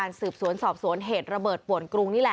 และความสุขของคุณค่ะ